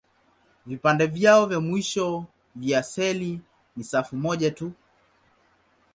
Vipande vyao vya mwisho vya seli ni safu moja tu.